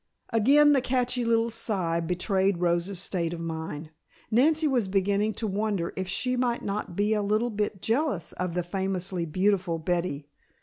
Again the catchy little sigh betrayed Rosa's state of mind. Nancy was beginning to wonder if she might not be a little bit jealous of the famously beautiful Betty.